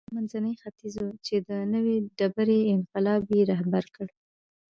دا منځنی ختیځ و چې د نوې ډبرې انقلاب یې رهبري کړ.